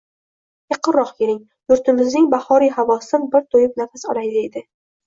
— Yaqinroq keling, yurtimizning bahoriy havosidan bir to‘yib nafas olay, — deydi.